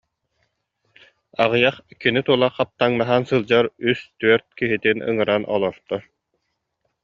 Аҕыйах, кини тула хаптаҥнаһан сылдьар үс-түөрт, киһитин ыҥыран олорто